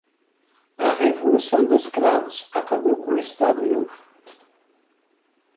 A Revolução dos Cravos acabou com o Estado Novo.